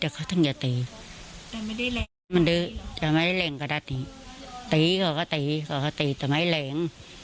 ก็ติดสั่งสอนเหมือน